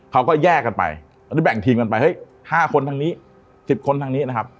เขาก็แยกกันไปอันนี้แบ่งทีมกันไปเฮ้ย๕คนทางนี้๑๐คนทางนี้นะครับ